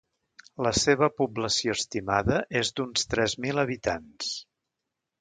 La seva població estimada és d'uns tres mil habitants.